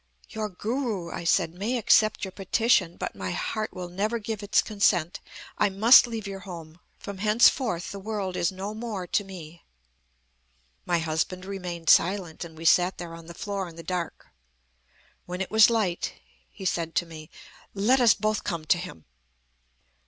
"'Your Guru,' I said, 'may accept your petition; but my heart will never give its consent. I must leave your home. From henceforth, the world is no more to me.' "My husband remained silent, and we sat there on the floor in the dark. When it was light, he said to me: 'Let us both come to him.'